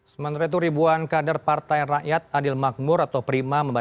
sementara itu ribuan kader partai rakyat adil makmur atau prima